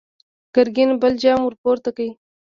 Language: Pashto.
ګرګين بل جام ور پورته کړ!